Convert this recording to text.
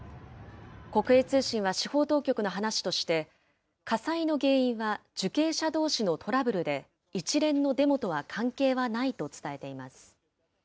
国営通信は司法当局の話として、火災の原因は受刑者どうしのトラブルで、一連のデモとは関係はないと伝えています。